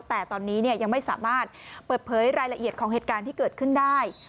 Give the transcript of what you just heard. แต่ตอนนี้ยังไม่สามารถเปิดเผยรายละเอียดของเหตุการณ์ที่เกิดขึ้นได้